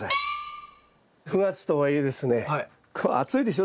９月とはいえですね暑いでしょ？